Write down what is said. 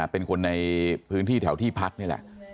เป็นคนในพื้นที่แถวที่พักนี่แหละ